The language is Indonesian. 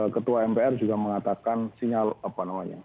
ketua mpr juga mengatakan sinyal apa namanya